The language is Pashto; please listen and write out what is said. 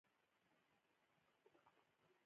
دلته د پانګې د ارګانیکي جوړښت په اړه خبرې کوو